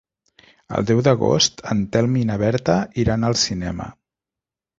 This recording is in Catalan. El deu d'agost en Telm i na Berta iran al cinema.